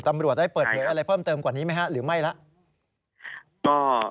ตำรวจได้เปิดเผยอะไรเพิ่มเติมกว่านี้ไหมฮะหรือไม่แล้ว